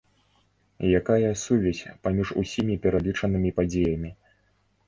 Якая сувязь паміж усімі пералічанымі падзеямі?